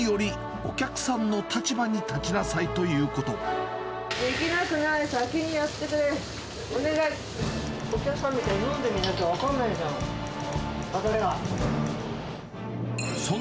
お客さんみたいに飲んでみないと分かんないじゃん。